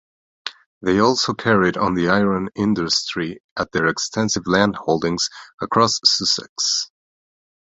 They also carried on the iron industry at their extensive landholdings across Sussex.